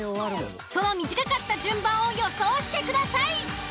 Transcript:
その短かった順番を予想してください。